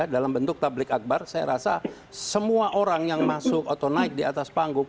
dalam bentuk tablik akbar saya rasa semua orang yang masuk atau naik di atas panggung